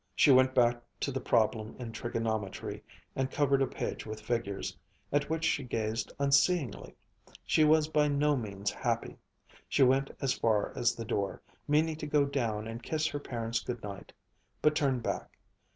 She went back to the problem in trigonometry and covered a page with figures, at which she gazed unseeingly. She was by no means happy. She went as far as the door, meaning to go down and kiss her parents good night, but turned back.